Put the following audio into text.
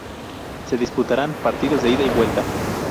Se disputarán partidos de Ida y Vuelta.